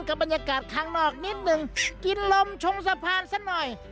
บรรยากาศข้างนอกนิดหนึ่งกินลมชงสะพานซะหน่อย